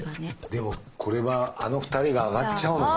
でもこれはあの２人があがっちゃうのかな？